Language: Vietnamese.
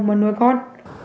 mà nuôi con